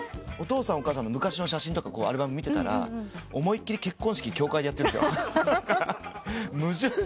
お父さんお母さんの昔の写真とかアルバム見てたら思いっ切り結婚式教会でやってるんですよ。